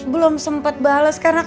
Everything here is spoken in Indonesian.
nino kenapa sampai sekarang